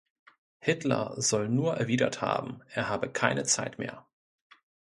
Hitler soll nur erwidert haben, „er habe keine Zeit mehr“.